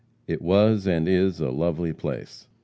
It was and is a lovely place.